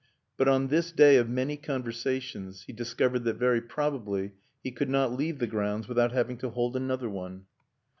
But on this day of many conversations, he discovered that very probably he could not leave the grounds without having to hold another one.